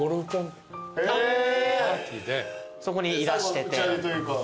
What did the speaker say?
そこにいらしてて。